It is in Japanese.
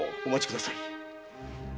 お待ちください。